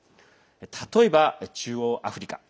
例えば、中央アフリカ。